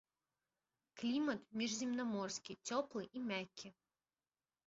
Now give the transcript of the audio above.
Клімат міжземнаморскі, цёплы і мяккі.